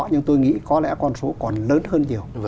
nhưng tôi nghĩ có lẽ con số còn lớn hơn nhiều